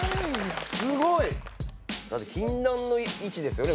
すごい！禁断の位置ですよね？